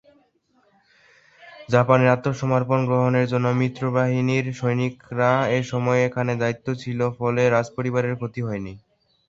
জাপানের আত্মসমর্পণ গ্রহণের জন্য মিত্রবাহিনীর সৈনিকরা এসময় এখানে দায়িত্বে ছিল ফলে রাজপরিবারের ক্ষতি হয়নি।